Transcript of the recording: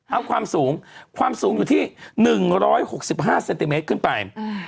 เอาความสูงความสูงอยู่ที่๑๖๕เซนติเมตรขึ้นไป